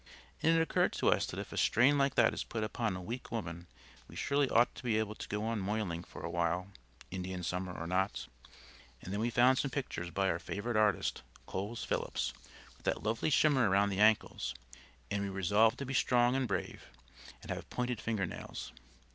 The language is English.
And it occurred to us that if a strain like that is put upon a weak woman we surely ought to be able to go on moiling for a while, Indian summer or not. And then we found some pictures by our favourite artist, Coles Phillips, with that lovely shimmer around the ankles, and we resolved to be strong and brave and have pointed finger nails.